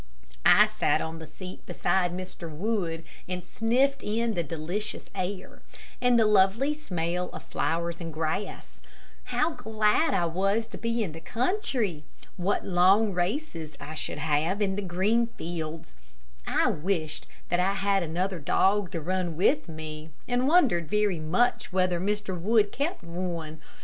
I sat on the seat beside Mr. Wood, and sniffed in the delicious air, and the lovely smell of flowers and grass. How glad I was to be in the country! What long races I should have in the green fields. I wished that I had another dog to run with me, and wondered very much whether Mr. Wood kept one.